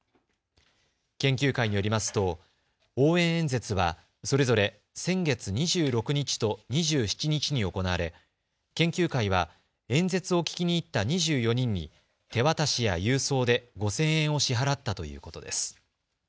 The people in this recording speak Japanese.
研究会によりますと応援演説はそれぞれ先月２６日と２７日に行われ研究会は演説を聴きに行った２４人に手渡しや郵送で５０００円を支払ったということです。